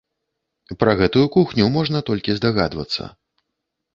Пра гэтую кухню можна толькі здагадвацца.